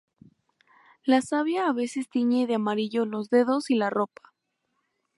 La savia a veces tiñe de amarillo los dedos y la ropa.